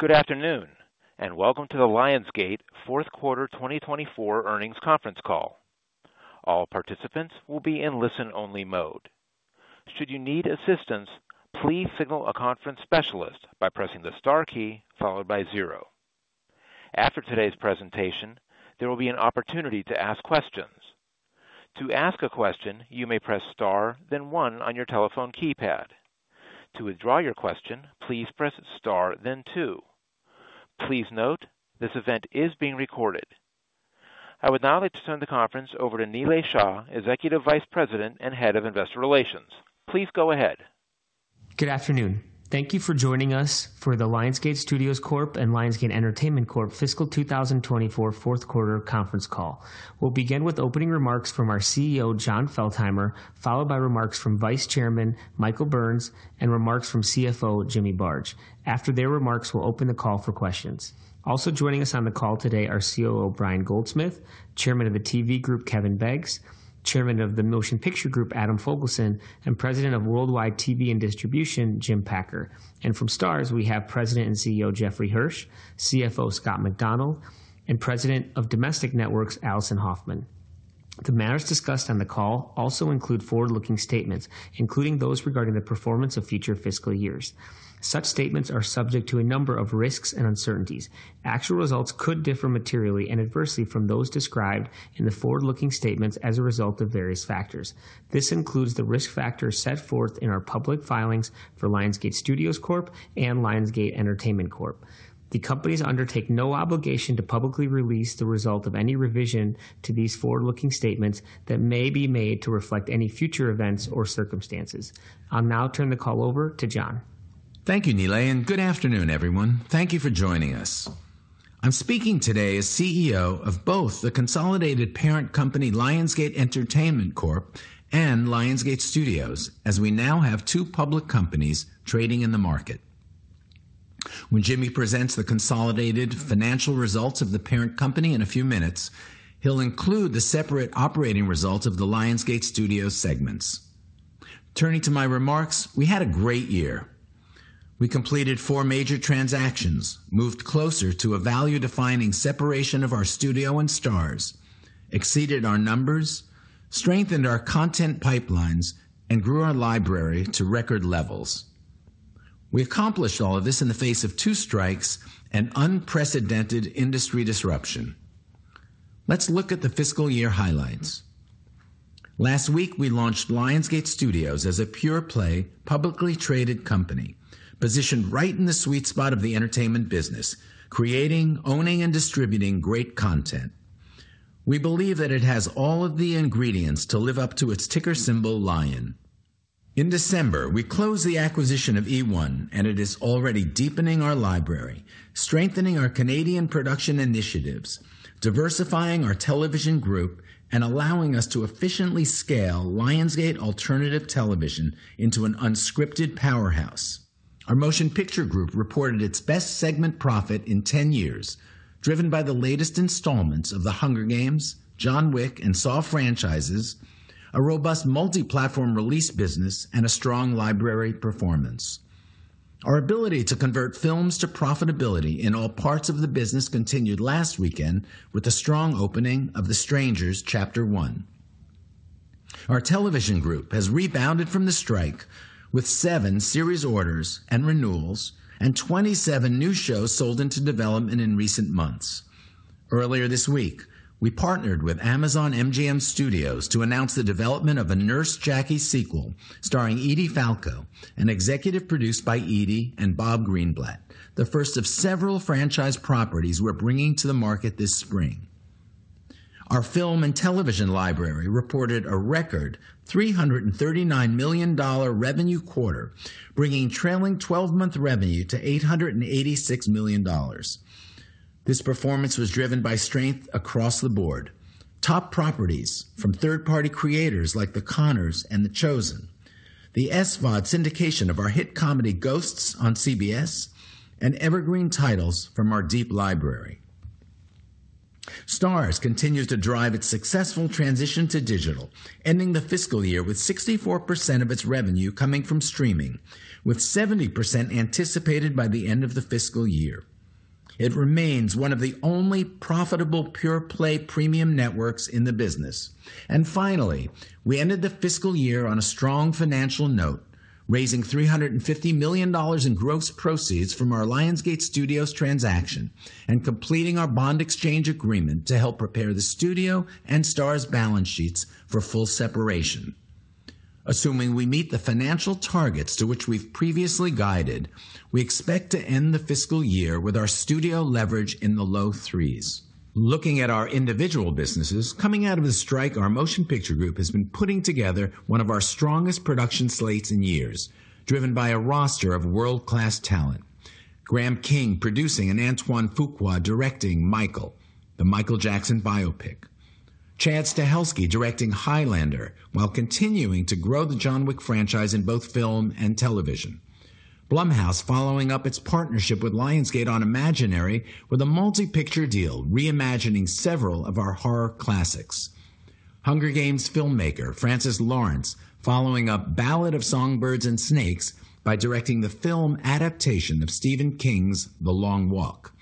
Good afternoon, and welcome to the Lionsgate fourth quarter 2024 earnings conference call. All participants will be in listen-only mode. Should you need assistance, please signal a conference specialist by pressing the star key followed by zero. After today's presentation, there will be an opportunity to ask questions. To ask a question, you may press star then one on your telephone keypad. To withdraw your question, please press star then two. Please note, this event is being recorded. I would now like to turn the conference over to Nilay Shah, Executive Vice President and Head of Investor Relations. Please go ahead. Good afternoon. Thank you for joining us for the Lionsgate Studios Corp. and Lionsgate Entertainment Corp. Fiscal 2024 fourth quarter conference call. We'll begin with opening remarks from our CEO, Jon Feltheimer, followed by remarks from Vice Chairman Michael Burns and remarks from CFO Jimmy Barge. After their remarks, we'll open the call for questions. Also joining us on the call today are COO Brian Goldsmith, Chairman of the TV Group, Kevin Beggs, Chairman of the Motion Picture Group, Adam Fogelson, and President of Worldwide TV and Distribution, Jim Packer. From Starz, we have President and CEO Jeffrey Hirsch, CFO Scott Macdonald, and President of Domestic Networks, Alison Hoffman. The matters discussed on the call also include forward-looking statements, including those regarding the performance of future fiscal years. Such statements are subject to a number of risks and uncertainties. Actual results could differ materially and adversely from those described in the forward-looking statements as a result of various factors. This includes the risk factors set forth in our public filings for Lionsgate Studios Corp. and Lionsgate Entertainment Corp. The companies undertake no obligation to publicly release the result of any revision to these forward-looking statements that may be made to reflect any future events or circumstances. I'll now turn the call over to John. Thank you, Nilay, and good afternoon, everyone. Thank you for joining us. I'm speaking today as CEO of both the consolidated parent company, Lionsgate Entertainment Corp. and Lionsgate Studios, as we now have two public companies trading in the market. When Jimmy presents the consolidated financial results of the parent company in a few minutes, he'll include the separate operating results of the Lionsgate Studios segments. Turning to my remarks, we had a great year. We completed four major transactions, moved closer to a value-defining separation of our studio and Starz, exceeded our numbers, strengthened our content pipelines, and grew our library to record levels. We accomplished all of this in the face of two strikes and unprecedented industry disruption. Let's look at the fiscal year highlights. Last week, we launched Lionsgate Studios as a pure-play, publicly traded company, positioned right in the sweet spot of the entertainment business, creating, owning, and distributing great content. We believe that it has all of the ingredients to live up to its ticker symbol, LION. In December, we closed the acquisition of EOne, and it is already deepening our library, strengthening our Canadian production initiatives, diversifying our television group, and allowing us to efficiently scale Lionsgate Alternative Television into an unscripted powerhouse. Our Motion Picture group reported its best segment profit in 10 years, driven by the latest installments of The Hunger Games, John Wick, and Saw franchises, a robust multi-platform release business, and a strong library performance. Our ability to convert films to profitability in all parts of the business continued last weekend with the strong opening of The Strangers: Chapter 1. Our television group has rebounded from the strike with 7 series orders and renewals and 27 new shows sold into development in recent months. Earlier this week, we partnered with Amazon MGM Studios to announce the development of a Nurse Jackie sequel starring Edie Falco and executive produced by Edie and Bob Greenblatt, the first of several franchise properties we're bringing to the market this spring. Our film and television library reported a record $339 million revenue quarter, bringing trailing twelve-month revenue to $886 million. This performance was driven by strength across the board. Top properties from third-party creators like The Conners and The Chosen, the SVOD syndication of our hit comedy Ghosts on CBS, and evergreen titles from our deep library. Starz continues to drive its successful transition to digital, ending the fiscal year with 64% of its revenue coming from streaming, with 70% anticipated by the end of the fiscal year. It remains one of the only profitable, pure-play premium networks in the business. Finally, we ended the fiscal year on a strong financial note, raising $350 million in gross proceeds from our Lionsgate Studios transaction and completing our bond exchange agreement to help prepare the Studio and Starz balance sheets for full separation. Assuming we meet the financial targets to which we've previously guided, we expect to end the fiscal year with our studio leverage in the low threes. Looking at our individual businesses coming out of the strike, our Motion Picture Group has been putting together one of our strongest production slates in years, driven by a roster of world-class talent. Graham King, producing, and Antoine Fuqua, directing Michael, the Michael Jackson biopic. Chad Stahelski, directing Highlander, while continuing to grow the John Wick franchise in both film and television. Blumhouse, following up its partnership with Lionsgate on Imaginary, with a multi-picture deal, reimagining several of our horror classics.... Hunger Games filmmaker Francis Lawrence following up Ballad of Songbirds and Snakes by directing the film adaptation of Stephen King's The Long Walk.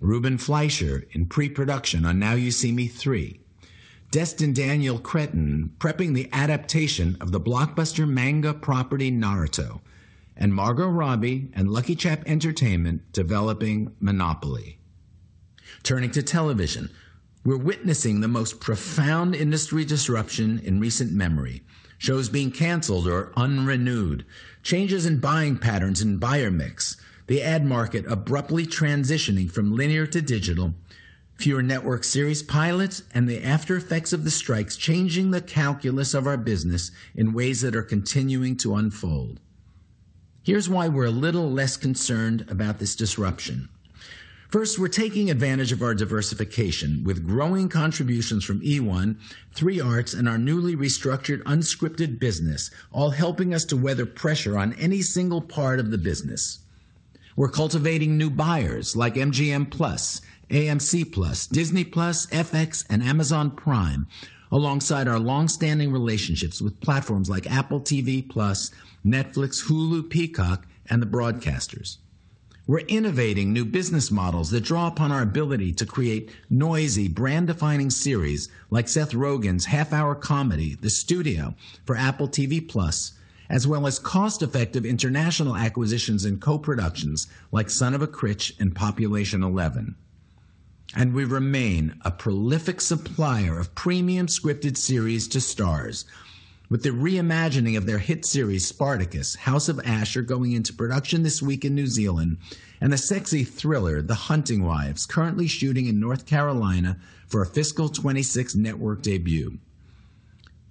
Ruben Fleischer in pre-production on Now You See Me 3. Destin Daniel Cretton prepping the adaptation of the blockbuster manga property Naruto, and Margot Robbie and LuckyChap Entertainment developing Monopoly. Turning to television, we're witnessing the most profound industry disruption in recent memory. Shows being canceled or unrenewed, changes in buying patterns and buyer mix, the ad market abruptly transitioning from linear to digital, fewer network series pilots, and the after effects of the strikes changing the calculus of our business in ways that are continuing to unfold. Here's why we're a little less concerned about this disruption. First, we're taking advantage of our diversification, with growing contributions from eOne, 3 Arts, and our newly restructured unscripted business, all helping us to weather pressure on any single part of the business. We're cultivating new buyers like MGM+, AMC+, Disney+, FX, and Amazon Prime, alongside our long-standing relationships with platforms like Apple TV+, Netflix, Hulu, Peacock, and the broadcasters. We're innovating new business models that draw upon our ability to create noisy, brand-defining series like Seth Rogen's half-hour comedy, The Studio, for Apple TV+, as well as cost-effective international acquisitions and co-productions like Son of a Critch and Population 11. We remain a prolific supplier of premium scripted series to Starz. With the reimagining of their hit series, Spartacus: House of Ashur, going into production this week in New Zealand, and a sexy thriller, The Hunting Wives, currently shooting in North Carolina for a fiscal 2026 network debut.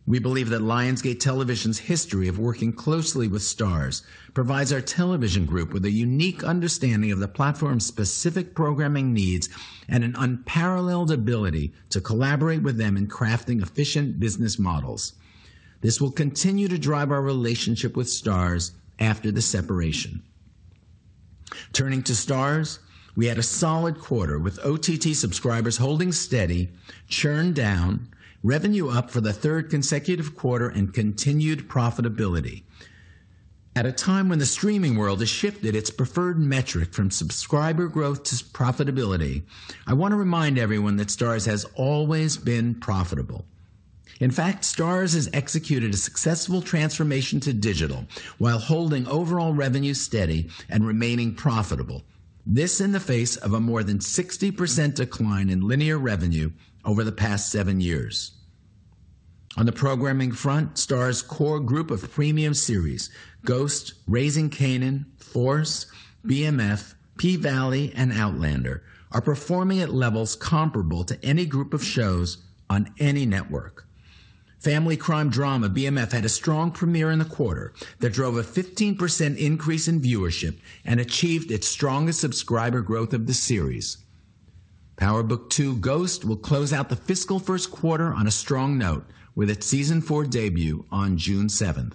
We believe that Lionsgate Television's history of working closely with Starz provides our television group with a unique understanding of the platform's specific programming needs and an unparalleled ability to collaborate with them in crafting efficient business models. This will continue to drive our relationship with Starz after the separation. Turning to Starz, we had a solid quarter, with OTT subscribers holding steady, churn down, revenue up for the third consecutive quarter, and continued profitability. At a time when the streaming world has shifted its preferred metric from subscriber growth to profitability, I want to remind everyone that Starz has always been profitable. In fact, Starz has executed a successful transformation to digital while holding overall revenue steady and remaining profitable. This in the face of a more than 60% decline in linear revenue over the past seven years. On the programming front, Starz's core group of premium series, Ghosts, Raising Kanan, Force, BMF, P-Valley, and Outlander, are performing at levels comparable to any group of shows on any network. Family crime drama, BMF, had a strong premiere in the quarter that drove a 15% increase in viewership and achieved its strongest subscriber growth of the series. Power Book II: Ghost will close out the fiscal first quarter on a strong note with its Season 4 debut on June 7.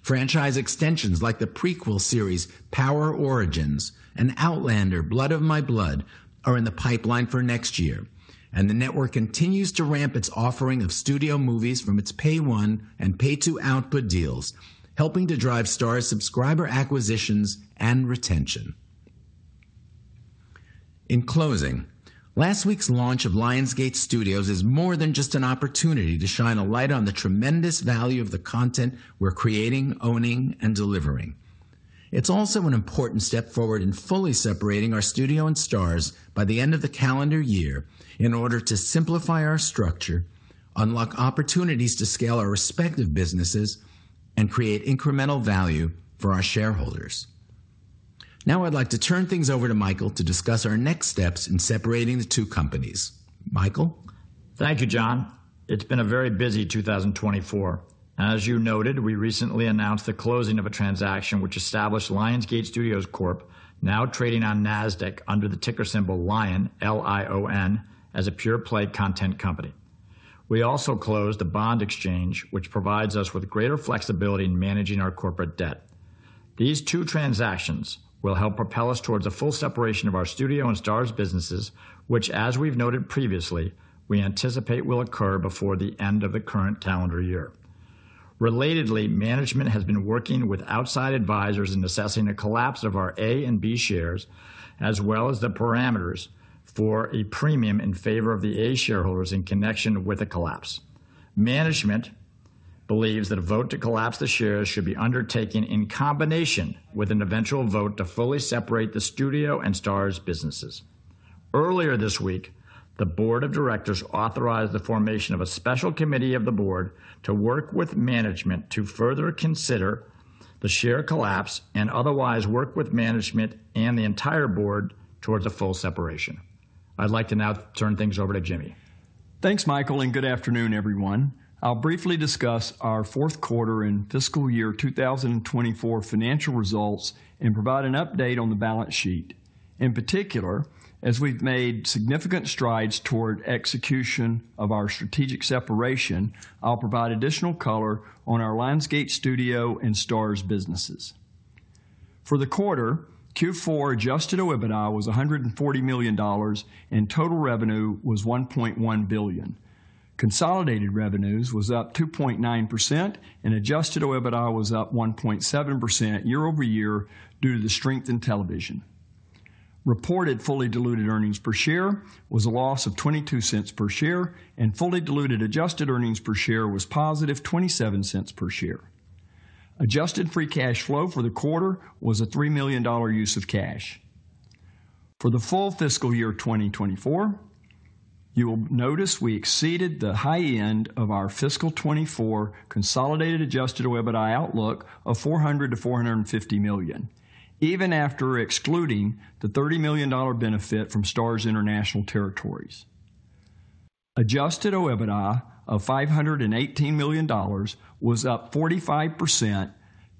Franchise extensions like the prequel series, Power Origins, and Outlander: Blood of My Blood, are in the pipeline for next year, and the network continues to ramp its offering of studio movies from its Pay One and Pay Two output deals, helping to drive Starz's subscriber acquisitions and retention. In closing, last week's launch of Lionsgate Studios is more than just an opportunity to shine a light on the tremendous value of the content we're creating, owning, and delivering. It's also an important step forward in fully separating our studio and Starz by the end of the calendar year in order to simplify our structure, unlock opportunities to scale our respective businesses, and create incremental value for our shareholders. Now, I'd like to turn things over to Michael to discuss our next steps in separating the two companies. Michael? Thank you, John. It's been a very busy 2024. As you noted, we recently announced the closing of a transaction which established Lionsgate Studios Corp., now trading on Nasdaq under the ticker symbol LION, L-I-O-N, as a pure-play content company. We also closed a bond exchange, which provides us with greater flexibility in managing our corporate debt. These two transactions will help propel us towards a full separation of our studio and Starz businesses, which, as we've noted previously, we anticipate will occur before the end of the current calendar year. Relatedly, management has been working with outside advisors in assessing a collapse of our A and B shares, as well as the parameters for a premium in favor of the A shareholders in connection with the collapse. Management believes that a vote to collapse the shares should be undertaken in combination with an eventual vote to fully separate the studio and Starz businesses. Earlier this week, the board of directors authorized the formation of a special committee of the board to work with management to further consider the share collapse and otherwise work with management and the entire board towards a full separation. I'd like to now turn things over to Jimmy. Thanks, Michael, and good afternoon, everyone. I'll briefly discuss our fourth quarter and fiscal year 2024 financial results and provide an update on the balance sheet. In particular, as we've made significant strides toward execution of our strategic separation, I'll provide additional color on our Lionsgate Studios and Starz businesses. For the quarter, Q4 adjusted OIBDA was $140 million, and total revenue was $1.1 billion. Consolidated revenues was up 2.9%, and adjusted OIBDA was up 1.7% year-over-year due to the strength in television. Reported fully diluted earnings per share was a loss of 22 cents per share, and fully diluted adjusted earnings per share was positive 27 cents per share. Adjusted free cash flow for the quarter was a $3 million use of cash. For the full fiscal year 2024, you will notice we exceeded the high end of our fiscal 2024 consolidated adjusted OIBDA outlook of $400 million-$450 million, even after excluding the $30 million benefit from Starz international territories. Adjusted OIBDA of $518 million was up 45%.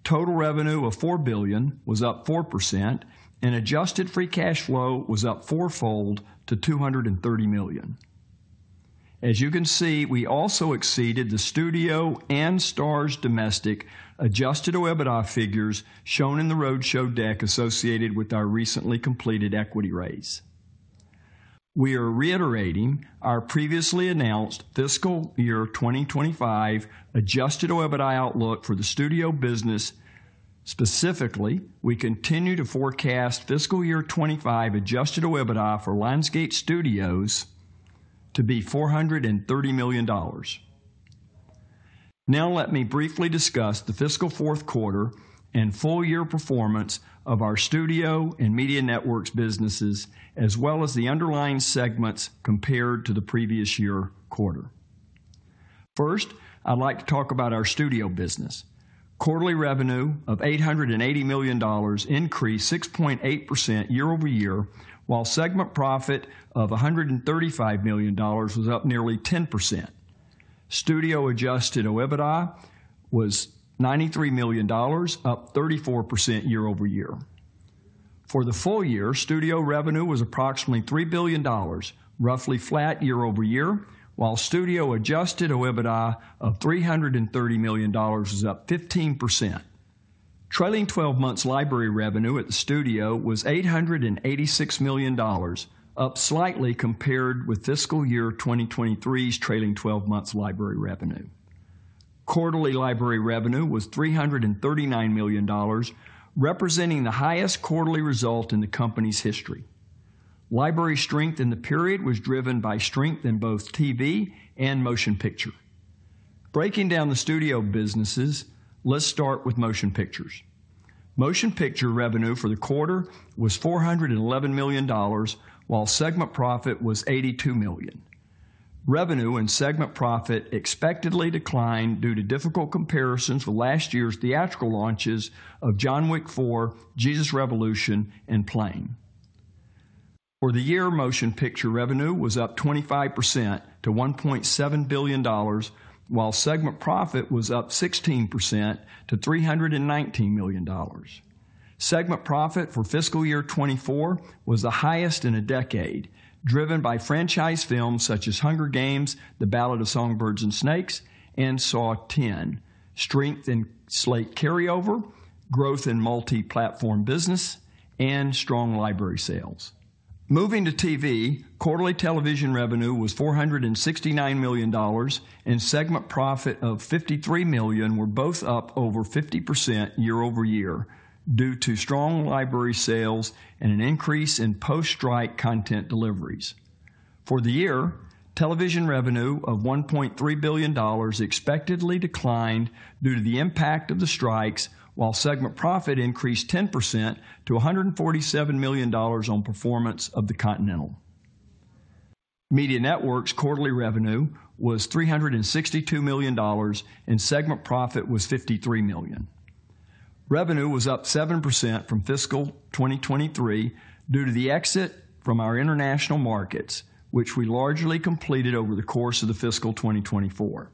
Total revenue of $4 billion was up 4%, and adjusted free cash flow was up fourfold to $230 million. As you can see, we also exceeded the Studio and Starz domestic adjusted OIBDA figures shown in the roadshow deck associated with our recently completed equity raise. We are reiterating our previously announced fiscal year 2025 adjusted OIBDA outlook for the Studio business. Specifically, we continue to forecast fiscal year 2025 adjusted OIBDA for Lionsgate Studios to be $430 million. Now let me briefly discuss the fiscal fourth quarter and full year performance of our Studio and Media Networks businesses, as well as the underlying segments compared to the previous year quarter. First, I'd like to talk about our Studio business. Quarterly revenue of $880 million increased 6.8% year-over-year, while segment profit of $135 million was up nearly 10%. Studio adjusted OIBDA was $93 million, up 34% year-over-year. For the full year, Studio revenue was approximately $3 billion, roughly flat year-over-year, while Studio adjusted OIBDA of $330 million is up 15%. Trailing twelve months library revenue at the Studio was $886 million, up slightly compared with fiscal year 2023's trailing twelve months library revenue. Quarterly library revenue was $339 million, representing the highest quarterly result in the company's history. Library strength in the period was driven by strength in both TV and motion picture. Breaking down the Studio businesses, let's start with motion pictures. Motion picture revenue for the quarter was $411 million, while segment profit was $82 million. Revenue and segment profit expectedly declined due to difficult comparisons with last year's theatrical launches of John Wick 4, Jesus Revolution, and Plane. For the year, motion picture revenue was up 25% to $1.7 billion, while segment profit was up 16% to $319 million. Segment profit for fiscal year 2024 was the highest in a decade, driven by franchise films such as The Hunger Games: The Ballad of Songbirds and Snakes and Saw X, strength in slate carryover, growth in multi-platform business, and strong library sales. Moving to TV, quarterly television revenue was $469 million, and segment profit of $53 million were both up over 50% year-over-year due to strong library sales and an increase in post-strike content deliveries. For the year, television revenue of $1.3 billion expectedly declined due to the impact of the strikes, while segment profit increased 10% to $147 million on performance of The Continental. Media Networks quarterly revenue was $362 million, and segment profit was $53 million. Revenue was up 7% from fiscal 2023 due to the exit from our international markets, which we largely completed over the course of the fiscal 2024.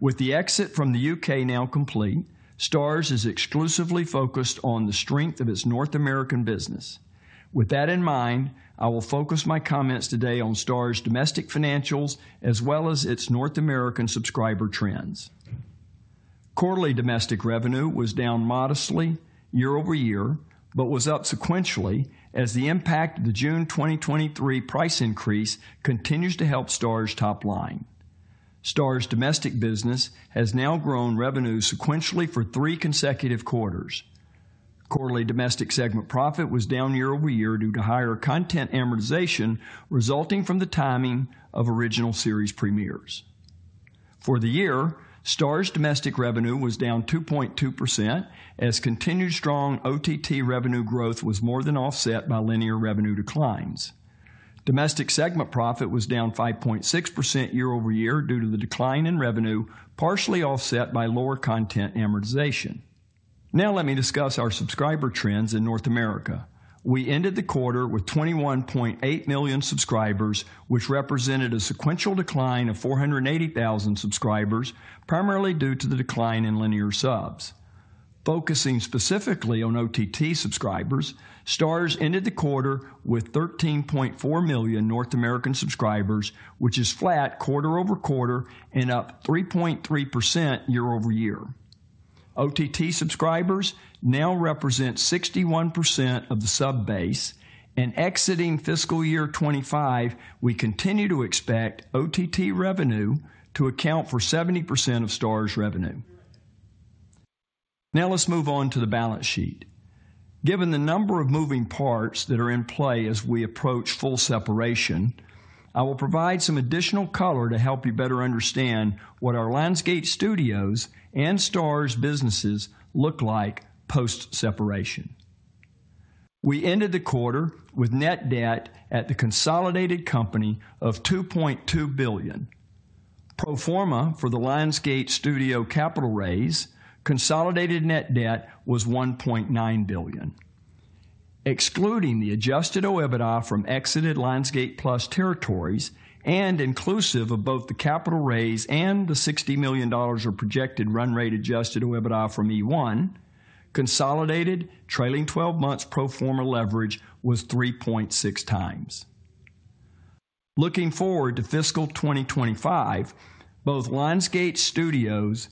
With the exit from the U.K. now complete, Starz is exclusively focused on the strength of its North American business. With that in mind, I will focus my comments today on Starz' domestic financials as well as its North American subscriber trends. Quarterly domestic revenue was down modestly year-over-year, but was up sequentially as the impact of the June 2023 price increase continues to help Starz' top line. Starz' domestic business has now grown revenue sequentially for 3 consecutive quarters. Quarterly domestic segment profit was down year-over-year due to higher content amortization, resulting from the timing of original series premieres. For the year, Starz domestic revenue was down 2.2%, as continued strong OTT revenue growth was more than offset by linear revenue declines. Domestic segment profit was down 5.6% year-over-year due to the decline in revenue, partially offset by lower content amortization. Now let me discuss our subscriber trends in North America. We ended the quarter with 21.8 million subscribers, which represented a sequential decline of 480,000 subscribers, primarily due to the decline in linear subs. Focusing specifically on OTT subscribers, Starz ended the quarter with 13.4 million North American subscribers, which is flat quarter-over-quarter and up 3.3% year-over-year. OTT subscribers now represent 61% of the sub base, and exiting fiscal year 2025, we continue to expect OTT revenue to account for 70% of Starz revenue. Now let's move on to the balance sheet. Given the number of moving parts that are in play as we approach full separation, I will provide some additional color to help you better understand what our Lionsgate Studios and Starz businesses look like post-separation. We ended the quarter with net debt at the consolidated company of $2.2 billion. Pro forma for the Lionsgate Studios capital raise, consolidated net debt was $1.9 billion. Excluding the Adjusted OIBDA from exited Lionsgate+ territories and inclusive of both the capital raise and the $60 million of projected run rate Adjusted OIBDA from eOne, consolidated trailing twelve months pro forma leverage was 3.6x. Looking forward to fiscal 2025, both Lionsgate Studios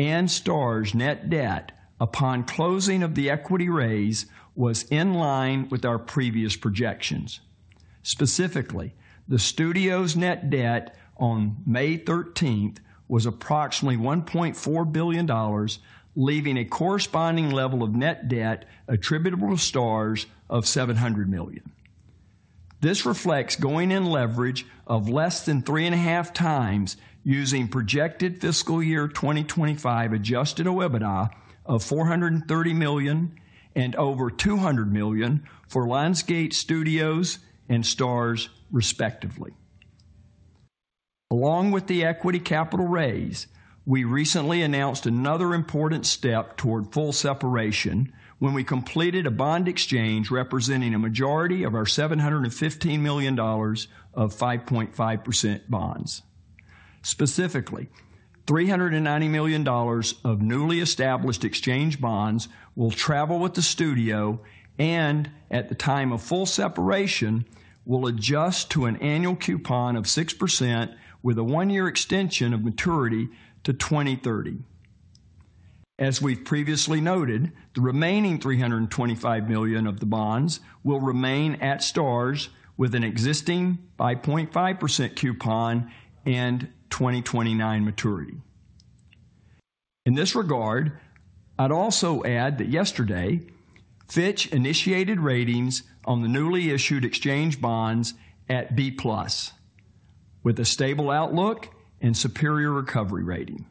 and Starz net debt, upon closing of the equity raise, was in line with our previous projections. Specifically, the studio's net debt on May 13 was approximately $1.4 billion, leaving a corresponding level of net debt attributable to Starz of $700 million. This reflects going in leverage of less than 3.5 times using projected fiscal year 2025 Adjusted OIBDA of $430 million, and over $200 million for Lionsgate Studios and Starz, respectively. Along with the equity capital raise, we recently announced another important step toward full separation when we completed a bond exchange representing a majority of our $715 million of 5.5% bonds. Specifically, $390 million of newly established exchange bonds will travel with the studio and, at the time of full separation, will adjust to an annual coupon of 6% with a one-year extension of maturity to 2030. As we've previously noted, the remaining $325 million of the bonds will remain at Starz with an existing 5.5% coupon and 2029 maturity. In this regard, I'd also add that yesterday, Fitch initiated ratings on the newly issued exchange bonds at B+, with a stable outlook and superior recovery rating.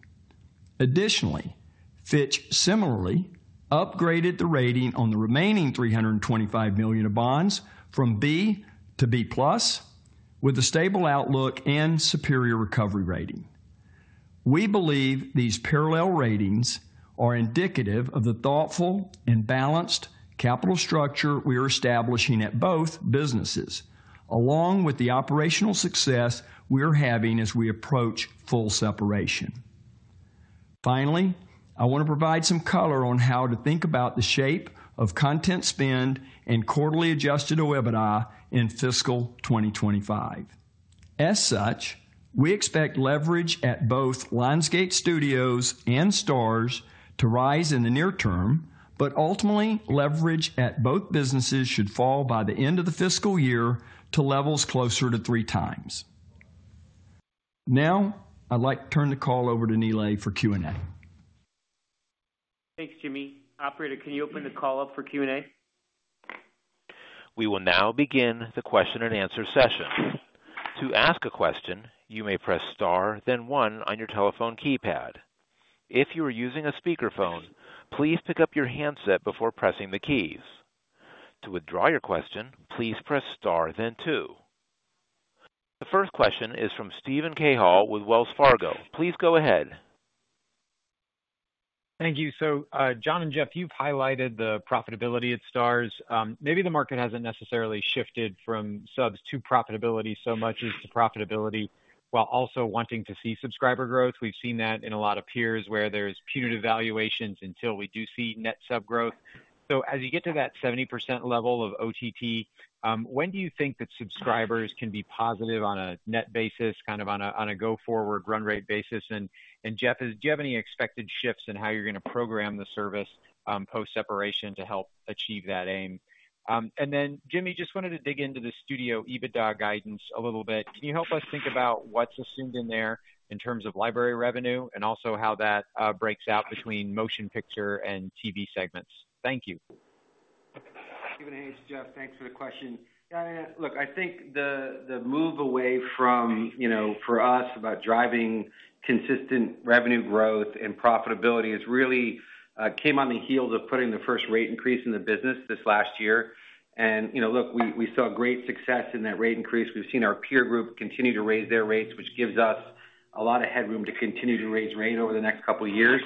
Additionally, Fitch similarly upgraded the rating on the remaining $325 million of bonds from B to B+, with a stable outlook and superior recovery rating. We believe these parallel ratings are indicative of the thoughtful and balanced capital structure we are establishing at both businesses, along with the operational success we are having as we approach full separation. Finally, I want to provide some color on how to think about the shape of content spend and quarterly Adjusted OIBDA in fiscal 2025. As such, we expect leverage at both Lionsgate Studios and Starz to rise in the near term, but ultimately, leverage at both businesses should fall by the end of the fiscal year to levels closer to 3x. Now, I'd like to turn the call over to Nilay for Q&A. Thanks, Jimmy. Operator, can you open the call up for Q&A? We will now begin the question-and-answer session. To ask a question, you may press star, then one on your telephone keypad. If you are using a speakerphone, please pick up your handset before pressing the keys. To withdraw your question, please press star, then two. The first question is from Steven Cahall with Wells Fargo. Please go ahead. Thank you. So, John and Jeff, you've highlighted the profitability at Starz. Maybe the market hasn't necessarily shifted from subs to profitability so much as to profitability, while also wanting to see subscriber growth. We've seen that in a lot of peers, where there's punitive valuations until we do see net sub growth. So as you get to that 70% level of OTT, when do you think that subscribers can be positive on a net basis, kind of on a go-forward run rate basis? And, Jeff, do you have any expected shifts in how you're going to program the service, post-separation to help achieve that aim? And then, Jimmy, just wanted to dig into the studio EBITDA guidance a little bit. Can you help us think about what's assumed in there in terms of library revenue, and also how that breaks out between motion picture and TV segments? Thank you. Stephen, hey, it's Jeff. Thanks for the question. Yeah, look, I think the move away from, you know, for us, about driving consistent revenue growth and profitability has really came on the heels of putting the first rate increase in the business this last year. And, you know, look, we saw great success in that rate increase. We've seen our peer group continue to raise their rates, which gives us a lot of headroom to continue to raise rate over the next couple of years.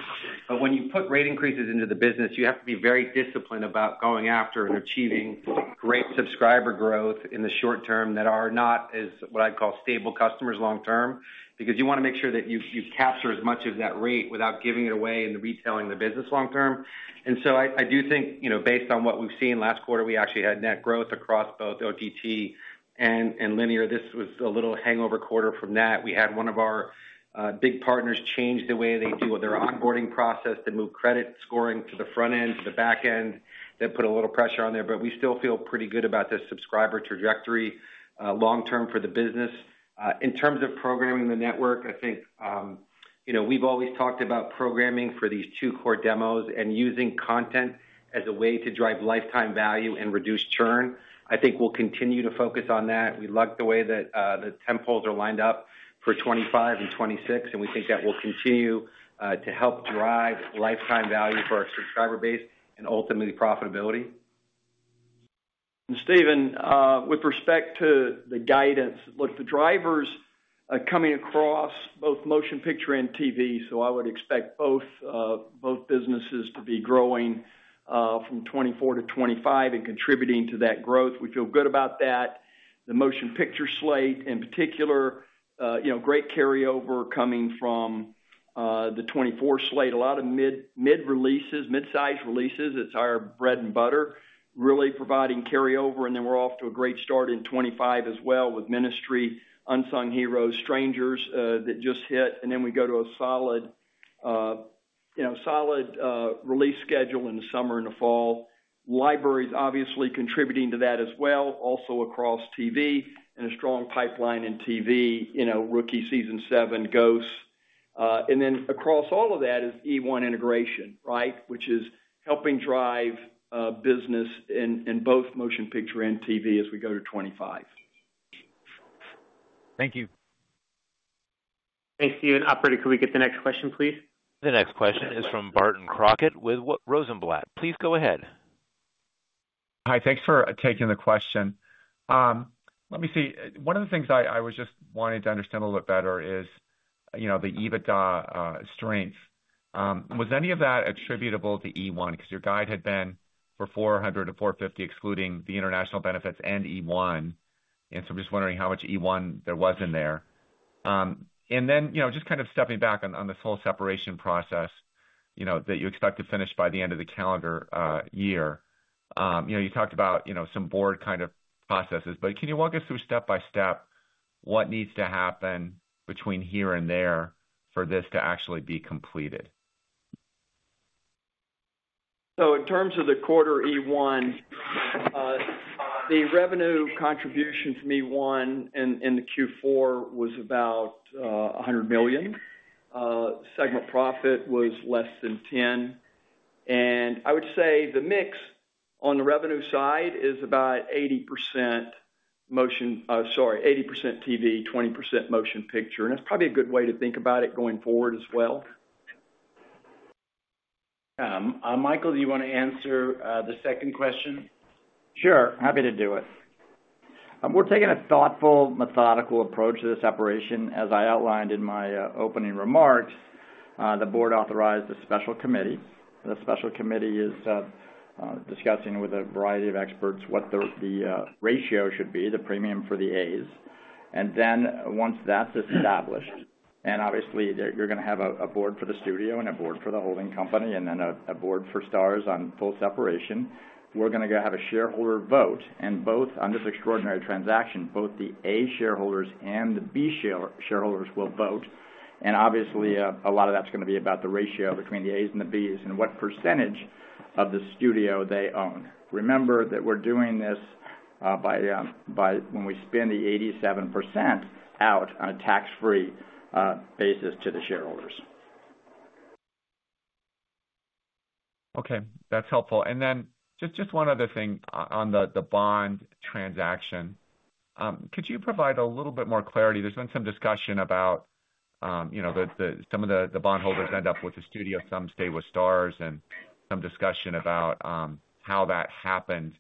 But when you put rate increases into the business, you have to be very disciplined about going after and achieving great subscriber growth in the short term that are not as, what I'd call, stable customers long term, because you want to make sure that you, you capture as much of that rate without giving it away and retelling the business long term. And so I, I do think, you know, based on what we've seen last quarter, we actually had net growth across both OTT and linear. This was a little hangover quarter from that. We had one of our big partners change the way they do with their onboarding process. They moved credit scoring to the front end, to the back end. That put a little pressure on there, but we still feel pretty good about this subscriber trajectory long term for the business. In terms of programming the network, I think, you know, we've always talked about programming for these two core demos and using content as a way to drive lifetime value and reduce churn. I think we'll continue to focus on that. We like the way that the temp poles are lined up for 25 and 26, and we think that will continue to help drive lifetime value for our subscriber base and ultimately, profitability. Stephen, with respect to the guidance, look, the drivers are coming across both motion picture and TV, so I would expect both, both businesses to be growing, from 2024 to 2025 and contributing to that growth. We feel good about that. The motion picture slate, in particular, you know, great carryover coming from, the 2024 slate. A lot of mid, mid-releases, mid-sized releases, it's our bread and butter, really providing carryover, and then we're off to a great start in 2025 as well, with Ministry, Unsung Hero, Strangers, that just hit, and then we go to a solid, you know, solid, release schedule in the summer and the fall. Library is obviously contributing to that as well, also across TV and a strong pipeline in TV, you know, The Rookie Season Seven goes. And then across all of that is EOne integration, right? Which is helping drive business in both motion picture and TV as we go to 2025. Thank you. Thanks, Stephen. Operator, could we get the next question, please? The next question is from Barton Crockett with Rosenblatt. Please go ahead. Hi, thanks for taking the question. Let me see. One of the things I, I was just wanting to understand a little bit better is, you know, the EBITDA strength. Was any of that attributable to EOne? Because your guide had been for 400-450, excluding the international benefits and EOne. And so I'm just wondering how much EOne there was in there. And then, you know, just kind of stepping back on, on this whole separation process, you know, that you expect to finish by the end of the calendar year. You know, you talked about, you know, some board kind of processes, but can you walk us through step-by-step what needs to happen between here and there for this to actually be completed? So in terms of the quarter eOne, the revenue contribution from eOne in, in the Q4 was about $100 million. Segment profit was less than $10 million, and I would say the mix on the revenue side is about 80% motion. Sorry, 80% TV, 20% motion picture, and that's probably a good way to think about it going forward as well. Michael, do you want to answer the second question? Sure, happy to do it. We're taking a thoughtful, methodical approach to the separation. As I outlined in my opening remarks, the board authorized a special committee. The special committee is discussing with a variety of experts what the ratio should be, the premium for the A's. And then once that's established, and obviously, you're gonna have a board for the studio and a board for the holding company, and then a board for Starz on full separation. We're gonna have a shareholder vote, and both on this extraordinary transaction, both the A shareholders and the B shareholders will vote. And obviously, a lot of that's gonna be about the ratio between the A's and the B's and what percentage of the studio they own. Remember that we're doing this by when we spin the 87% out on a tax-free basis to the shareholders. Okay, that's helpful. And then just one other thing on the bond transaction. Could you provide a little bit more clarity? There's been some discussion about, you know, some of the bondholders end up with the studio, some stay with Starz, and some discussion about how that happened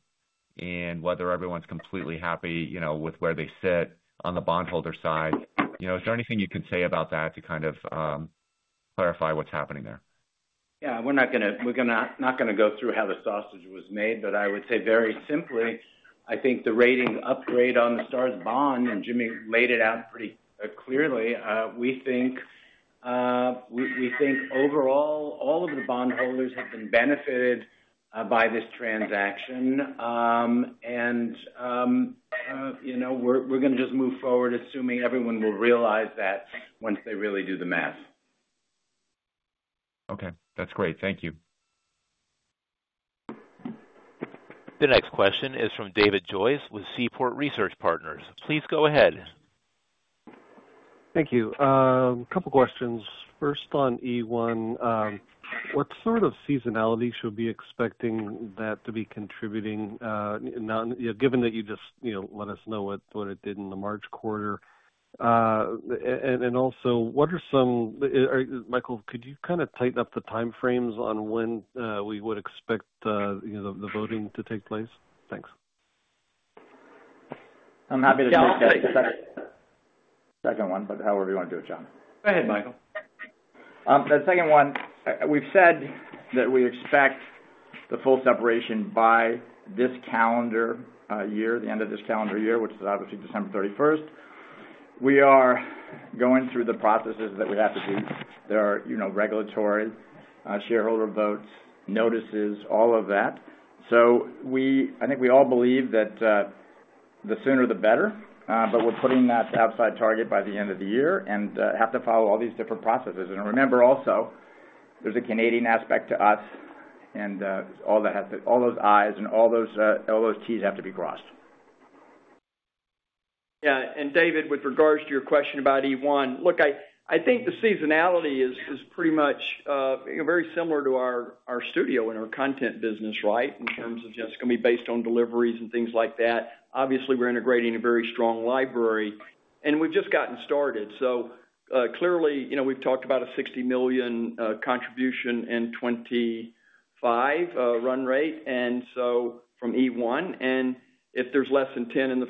and whether everyone's completely happy, you know, with where they sit on the bondholder side. You know, is there anything you can say about that to kind of clarify what's happening there? Yeah, we're not gonna go through how the sausage was made, but I would say very simply, I think the ratings upgrade on the Starz bond, and Jimmy laid it out pretty clearly. We think overall, all of the bondholders have been benefited by this transaction. You know, we're gonna just move forward, assuming everyone will realize that once they really do the math. Okay, that's great. Thank you. The next question is from David Joyce with Seaport Research Partners. Please go ahead. Thank you. A couple questions. First, on EOne, what sort of seasonality should we be expecting that to be contributing, now, given that you just, you know, let us know what it did in the March quarter? And also, what are some. Michael, could you kind of tighten up the time frames on when we would expect, you know, the voting to take place? Thanks. I'm happy to take the second one, but however you want to do it, Jon. Go ahead, Michael. The second one, we've said that we expect the full separation by this calendar year, the end of this calendar year, which is obviously December 31st. We are going through the processes that we have to do. There are, you know, regulatory, shareholder votes, notices, all of that. So I think we all believe that, the sooner the better, but we're putting that outside target by the end of the year and have to follow all these different processes. And remember also, there's a Canadian aspect to us, and all that has to all those I's and all those T's have to be crossed. Yeah, and David, with regards to your question about eOne, look, I think the seasonality is pretty much very similar to our studio and our content business, right? In terms of just gonna be based on deliveries and things like that. Obviously, we're integrating a very strong library, and we've just gotten started. So, clearly, you know, we've talked about a $60 million contribution in 2025 run rate, and so from eOne, and if there's less than $10 million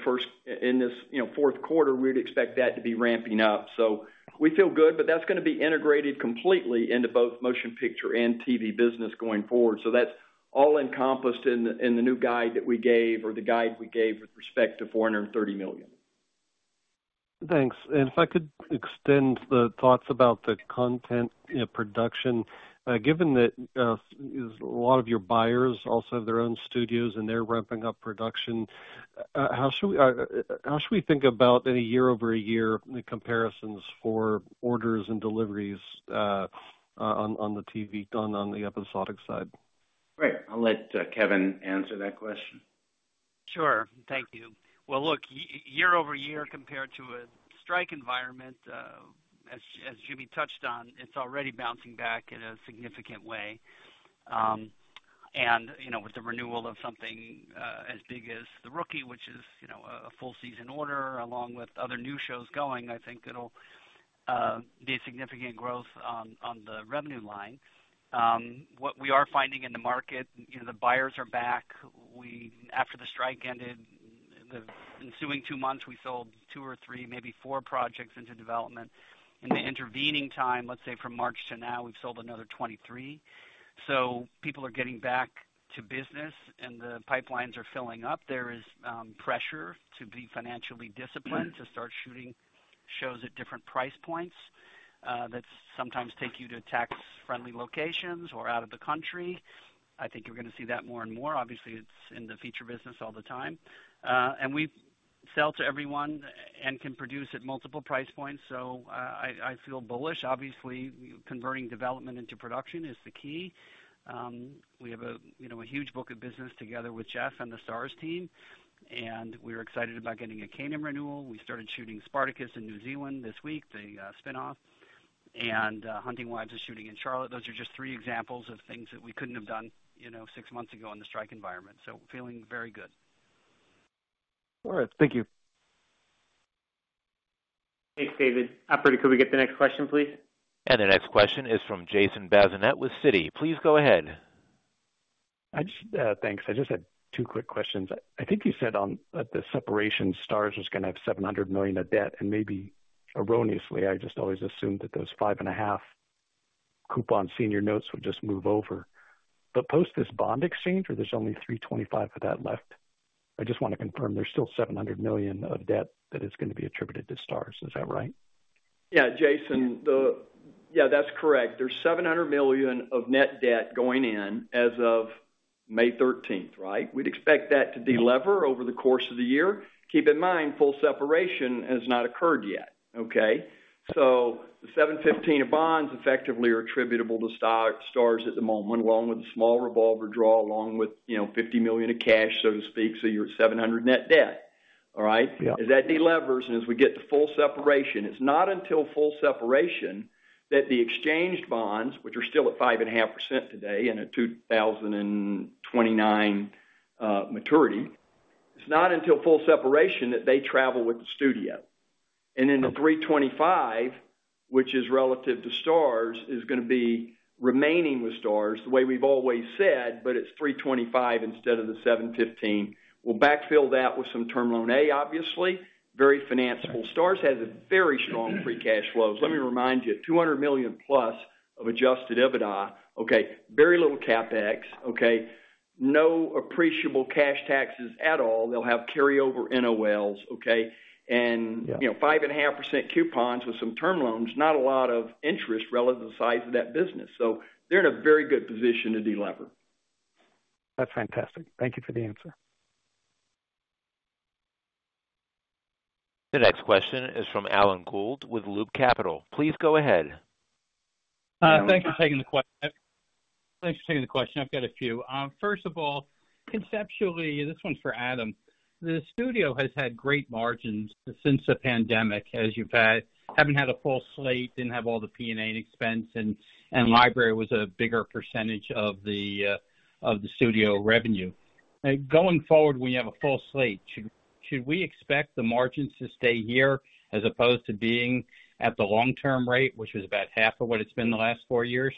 in this fourth quarter, we'd expect that to be ramping up. So we feel good, but that's gonna be integrated completely into both motion picture and TV business going forward. So that's all encompassed in the new guide that we gave or the guide we gave with respect to $430 million. Thanks. And if I could extend the thoughts about the content, you know, production. Given that a lot of your buyers also have their own studios and they're ramping up production, how should we think about in a year-over-year comparisons for orders and deliveries on the TV on the episodic side? Great. I'll let Kevin answer that question. Sure. Thank you. Well, look, year-over-year, compared to a strike environment, as Jimmy touched on, it's already bouncing back in a significant way. And, you know, with the renewal of something as big as The Rookie, which is, you know, a full season order, along with other new shows going, I think it'll be a significant growth on the revenue line. What we are finding in the market, you know, the buyers are back. After the strike ended, the ensuing two months, we sold two or three, maybe four projects into development. In the intervening time, let's say from March to now, we've sold another 23. So people are getting back to business and the pipelines are filling up. There is pressure to be financially disciplined, to start shooting shows at different price points that sometimes take you to tax-friendly locations or out of the country. I think you're gonna see that more and more. Obviously, it's in the feature business all the time. And we sell to everyone and can produce at multiple price points, so I feel bullish. Obviously, converting development into production is the key. We have a, you know, a huge book of business together with Jeff and the Starz team, and we're excited about getting a Kanan renewal. We started shooting Spartacus in New Zealand this week, the spin-off, and Hunting Wives is shooting in Charlotte. Those are just three examples of things that we couldn't have done, you know, six months ago in the strike environment, so feeling very good. All right, thank you. Thanks, David. Operator, could we get the next question, please? The next question is from Jason Bazinet with Citi. Please go ahead. I just, Thanks. I just had two quick questions. I think you said on, at the separation, Starz was gonna have $700 million of debt, and maybe erroneously, I just always assumed that those 5.5 coupon senior notes would just move over. But post this bond exchange, or there's only $325 million for that left? I just want to confirm there's still $700 million of debt that is gonna be attributed to Starz. Is that right? Yeah, Jason. Yeah, that's correct. There's $700 million of net debt going in as of May thirteenth, right? We'd expect that to delever over the course of the year. Keep in mind, full separation has not occurred yet, okay? So the $715 million of bonds effectively are attributable to Starz at the moment, along with a small revolver draw, along with, you know, $50 million of cash, so to speak, so you're at $700 million net debt. All right? Yeah. As that delevers and as we get to full separation, it's not until full separation that the exchanged bonds, which are still at 5.5% today, and a 2029 maturity, it's not until full separation that they travel with the studio. And then the $325 million, which is relative to Starz, is gonna be remaining with Starz, the way we've always said, but it's $325 million instead of the $715 million. We'll backfill that with some term loan A, obviously. Very financeable. Starz has a very strong free cash flow. So let me remind you, $200 million+ of adjusted EBITDA. Okay, very little CapEx, okay? No appreciable cash taxes at all. They'll have carryover NOLs, okay? Yeah. You know, 5.5% coupons with some term loans, not a lot of interest relative to the size of that business. So they're in a very good position to delever. That's fantastic. Thank you for the answer. The next question is from Alan Gould with Loop Capital. Please go ahead. Hi, thanks for taking the question. I've got a few. First of all, conceptually, this one's for Adam. The studio has had great margins since the pandemic, as you haven't had a full slate, didn't have all the P&A expense, and library was a bigger percentage of the studio revenue. Going forward, when you have a full slate, should we expect the margins to stay here as opposed to being at the long-term rate, which was about half of what it's been the last four years?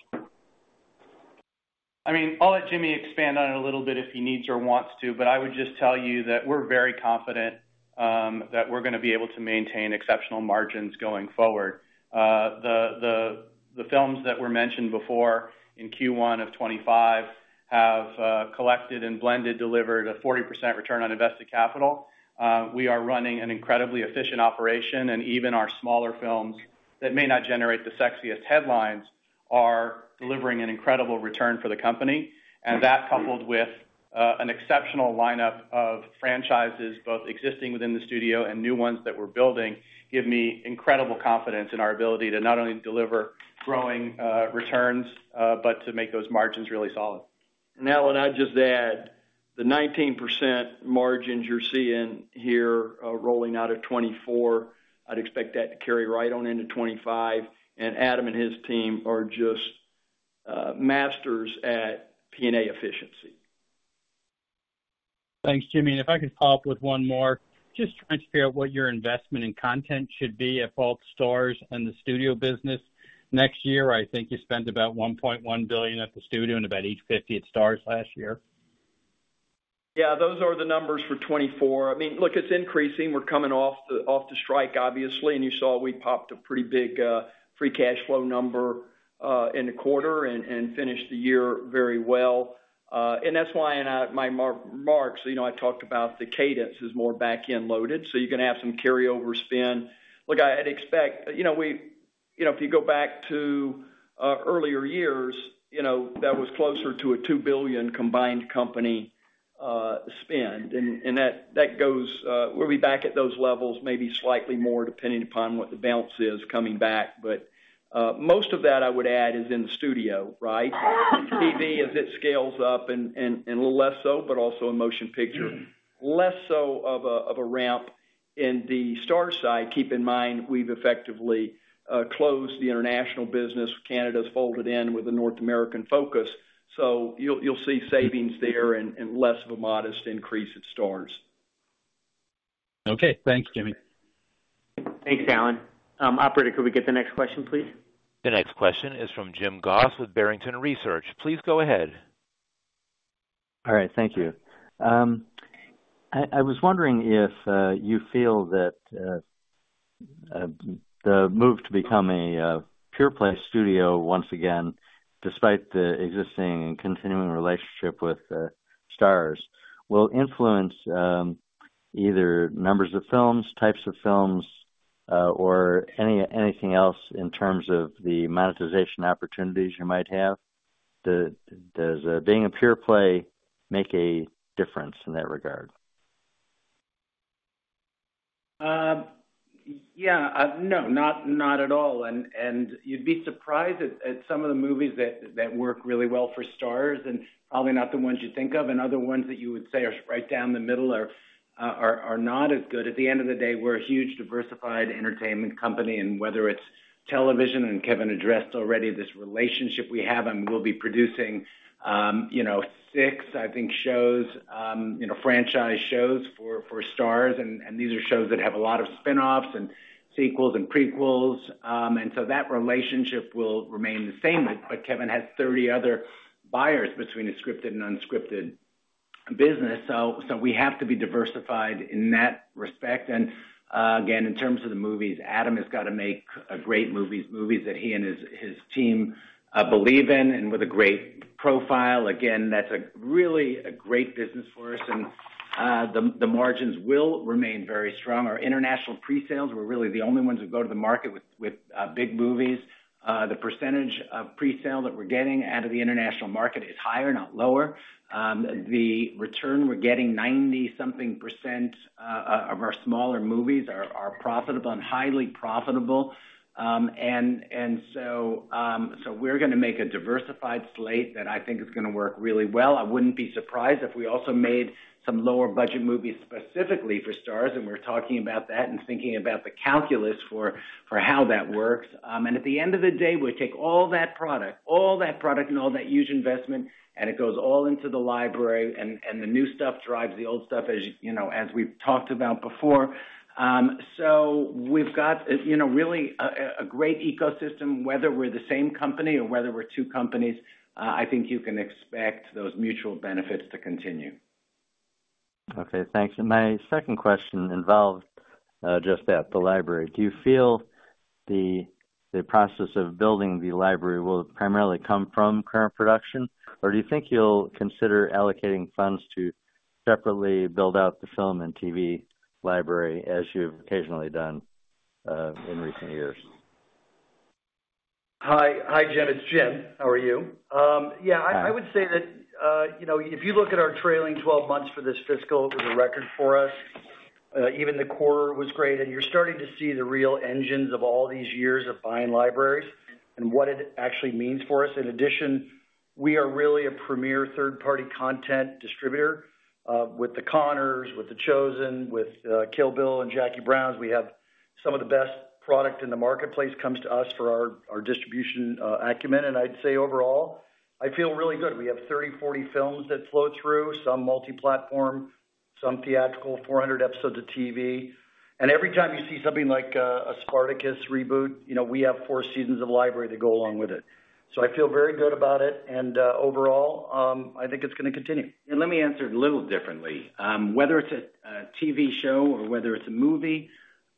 I mean, I'll let Jimmy expand on it a little bit if he needs or wants to, but I would just tell you that we're very confident that we're gonna be able to maintain exceptional margins going forward. The films that were mentioned before in Q1 of 2025 have collected and blended delivered a 40% return on invested capital. We are running an incredibly efficient operation, and even our smaller films that may not generate the sexiest headlines are delivering an incredible return for the company. And that, coupled with an exceptional lineup of franchises, both existing within the studio and new ones that we're building, give me incredible confidence in our ability to not only deliver growing returns, but to make those margins really solid. And Alan, I'd just add, the 19% margins you're seeing here, rolling out of 2024, I'd expect that to carry right on into 2025. And Adam and his team are just masters at P&A efficiency. Thanks, Jimmy. If I could follow up with one more, just trying to figure out what your investment in content should be at both Starz and the studio business. Next year, I think you spent about $1.1 billion at the studio and about $150 million at Starz last year. Yeah, those are the numbers for 2024. I mean, look, it's increasing. We're coming off the strike, obviously, and you saw we popped a pretty big free cash flow number in the quarter and finished the year very well. And that's why in my remarks, you know, I talked about the cadence is more back-end loaded, so you're gonna have some carryover spend. Look, I'd expect, you know, we, you know, if you go back to earlier years, you know, that was closer to a $2 billion combined company spend. And that goes... We'll be back at those levels, maybe slightly more, depending upon what the bounce is coming back. But most of that, I would add, is in the studio, right? TV, as it scales up and a little less so, but also in motion picture. Less so of a ramp in the Starz side. Keep in mind, we've effectively closed the international business. Canada is folded in with a North American focus, so you'll see savings there and less of a modest increase at Starz. Okay, thanks, Jimmy. Thanks, Alan. Operator, could we get the next question, please? The next question is from Jim Goss with Barrington Research. Please go ahead. All right, thank you. I was wondering if you feel that the move to become a pure play studio once again, despite the existing and continuing relationship with Starz, will influence either numbers of films, types of films, or anything else in terms of the monetization opportunities you might have? Does being a pure play make a difference in that regard? Yeah. No, not at all. And you'd be surprised at some of the movies that work really well for Starz, and probably not the ones you'd think of, and other ones that you would say are right down the middle are not as good. At the end of the day, we're a huge, diversified entertainment company, and whether it's television, and Kevin addressed already, this relationship we have, and we'll be producing, you know, six, I think, shows, you know, franchise shows for Starz. And these are shows that have a lot of spinoffs and sequels and prequels. And so that relationship will remain the same. But Kevin has 30 other buyers between the scripted and unscripted business, so we have to be diversified in that respect. Again, in terms of the movies, Adam has got to make great movies, movies that he and his, his team believe in and with a great profile. Again, that's a really a great business for us, and the margins will remain very strong. Our international presales, we're really the only ones who go to the market with big movies. The percentage of presale that we're getting out of the international market is higher, not lower. The return, we're getting 90-something% of our smaller movies are profitable and highly profitable. And so we're gonna make a diversified slate that I think is gonna work really well. I wouldn't be surprised if we also made some lower budget movies specifically for Starz, and we're talking about that and thinking about the calculus for how that works. At the end of the day, we take all that product, all that product and all that huge investment, and it goes all into the library, and the new stuff drives the old stuff, as you know, as we've talked about before. We've got, you know, really a great ecosystem, whether we're the same company or whether we're two companies. I think you can expect those mutual benefits to continue. Okay, thanks. My second question involves just that, the library. Do you feel the process of building the library will primarily come from current production? Or do you think you'll consider allocating funds to separately build out the film and TV library, as you've occasionally done in recent years? Hi. Hi, Jim, it's Jim. How are you? Yeah, I would say that, you know, if you look at our trailing twelve months for this fiscal, it was a record for us. Even the quarter was great, and you're starting to see the real engines of all these years of buying libraries and what it actually means for us. In addition, we are really a premier third-party content distributor, with The Conners, with The Chosen, with, Kill Bill and Jackie Brown. We have some of the best product in the marketplace, comes to us for our, our distribution, acumen. And I'd say overall, I feel really good. We have 30, 40 films that flow through, some multi-platform, some theatrical, 400 episodes of TV. Every time you see something like a Spartacus reboot, you know, we have four seasons of library to go along with it. I feel very good about it, and overall, I think it's gonna continue. And let me answer it a little differently. Whether it's a TV show or whether it's a movie,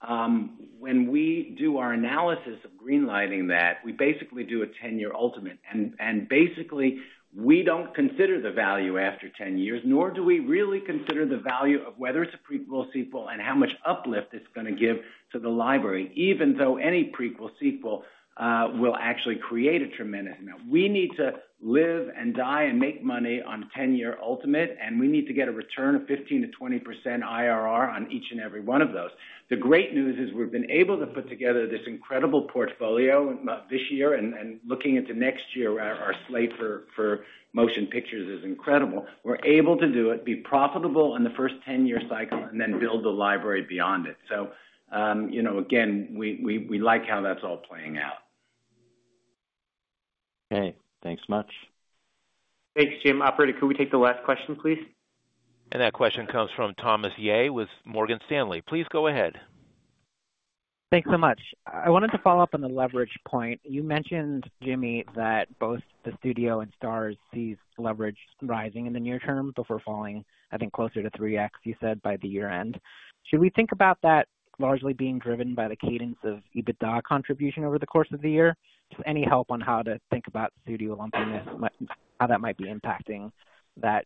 when we do our analysis of green lighting that, we basically do a ten-year ultimate. And basically, we don't consider the value after ten years, nor do we really consider the value of whether it's a prequel, sequel, and how much uplift it's gonna give to the library, even though any prequel, sequel, will actually create a tremendous amount. We need to live and die and make money on ten-year ultimate, and we need to get a return of 15%-20% IRR on each and every one of those. The great news is, we've been able to put together this incredible portfolio, this year, and looking into next year, our slate for motion pictures is incredible. We're able to do it, be profitable in the first 10-year cycle, and then build the library beyond it. So, you know, again, we like how that's all playing out. Okay. Thanks much. Thanks, Jim. Operator, could we take the last question, please? That question comes from Thomas Yeh with Morgan Stanley. Please go ahead. Thanks so much. I wanted to follow up on the leverage point. You mentioned, Jimmy, that both the studio and Starz sees leverage rising in the near term before falling, I think, closer to 3x, you said, by year-end. Should we think about that largely being driven by the cadence of EBITDA contribution over the course of the year? Just any help on how to think about studio lumpiness, might, how that might be impacting that,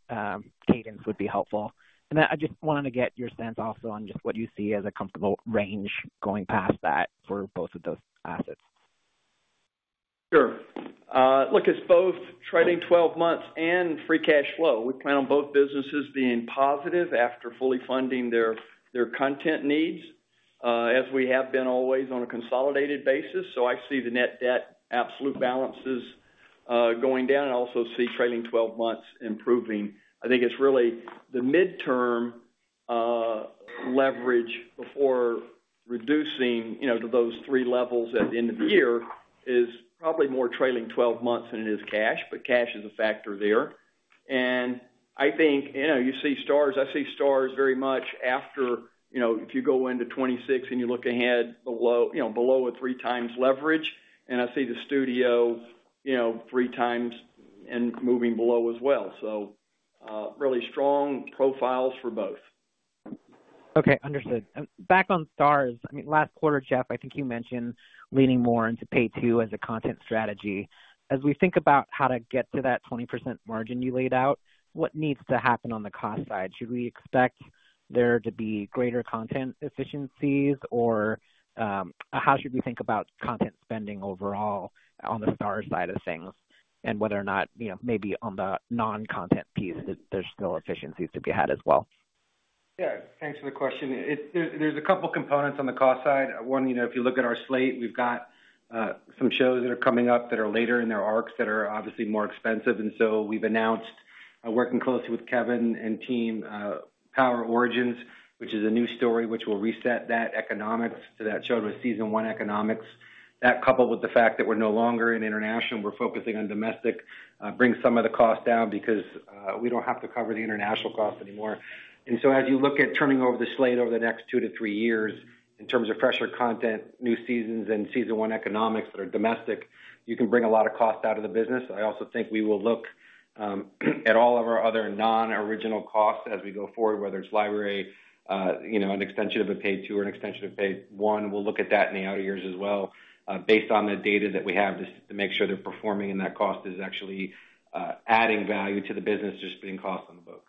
cadence would be helpful. And then I just wanted to get your sense also on just what you see as a comfortable range going past that for both of those assets. Sure. Look, it's both trailing twelve months and free cash flow. We plan on both businesses being positive after fully funding their, their content needs, as we have been always on a consolidated basis. So I see the net debt absolute balances going down. I also see trailing twelve months improving. I think it's really the midterm leverage before reducing, you know, to those three levels at the end of the year, is probably more trailing twelve months than it is cash, but cash is a factor there. And I think, you know, you see Starz—I see Starz very much after, you know, if you go into 2026 and you look ahead below, you know, below a 3x leverage, and I see the studio, you know, 3x and moving below as well. So really strong profiles for both. Okay, understood. Back on Starz. I mean, last quarter, Jeff, I think you mentioned leaning more into Pay Two as a content strategy. As we think about how to get to that 20% margin you laid out, what needs to happen on the cost side? Should we expect there to be greater content efficiencies, or, how should we think about content spending overall on the Starz side of things? And whether or not, you know, maybe on the non-content piece, there's still efficiencies to be had as well. Yeah. Thanks for the question. There's a couple components on the cost side. One, you know, if you look at our slate, we've got some shows that are coming up that are later in their arcs that are obviously more expensive, and so we've announced, working closely with Kevin and team, Power Origins, which is a new story which will reset that economics to that show to season one economics. That, coupled with the fact that we're no longer in international, we're focusing on domestic, brings some of the costs down because we don't have to cover the international costs anymore. And so as you look at turning over the slate over the next 2-3 years, in terms of fresher content, new seasons and season one economics that are domestic, you can bring a lot of cost out of the business. I also think we will look at all of our other non-original costs as we go forward, whether it's library, you know, an extension of a Pay Two or an extension of Pay One. We'll look at that in the outer years as well, based on the data that we have, just to make sure they're performing and that cost is actually adding value to the business, just putting costs on the books.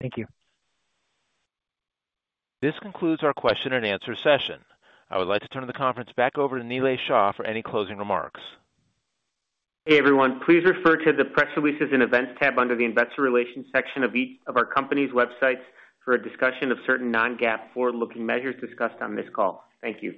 Thank you. This concludes our question and answer session. I would like to turn the conference back over to Nilay Shah for any closing remarks. Hey, everyone. Please refer to the Press Releases and Events tab under the Investor Relations section of each of our company's websites for a discussion of certain non-GAAP forward-looking measures discussed on this call. Thank you.